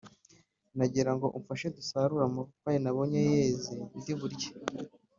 ndagira ngo umfashe dusarure amapapayi nabonye yeze ndi burye